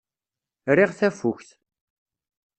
Riɣ tafukt.